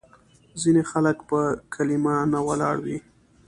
ځینې خلک په کلیمه نه ولاړ وي.